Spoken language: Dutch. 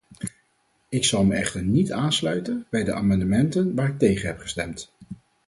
Ik zal me echter niet aansluiten bij de amendementen waar ik tegen heb gestemd.